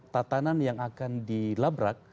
tataanan yang akan dilabrak